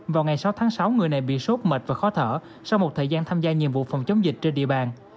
vào ngày sáu tháng sáu người này bị sốt mệt và khó thở sau một thời gian tham gia nhiệm vụ phòng chống dịch trên địa bàn